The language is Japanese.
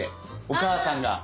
お母さんが。